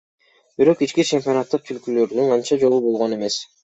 Бирок ички чемпионатта түлкүлөрдүн анча жолу болгон жок.